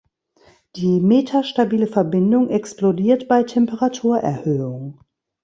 Die metastabile Verbindung explodiert bei Temperaturerhöhung.